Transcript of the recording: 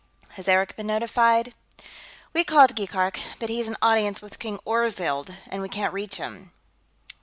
"Has Eric been notified?" "We called Keegark, but he's in audience with King Orgzild, and we can't reach him."